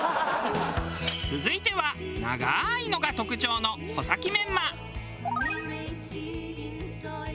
続いては長いのが特徴の穂先メンマ。